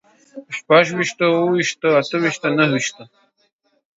شپږ ويشتو، اووه ويشتو، اته ويشتو، نهه ويشتو